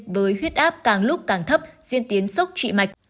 với huyết áp càng lúc càng thấp diễn tiến sốc trị mạch